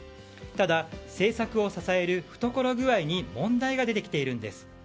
ただ、政策を支える懐具合に問題が出てきているんです。